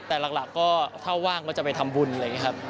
แต่หลักก็ถ้าว่างก็จะไปทำบุญอะไรอย่างนี้ครับ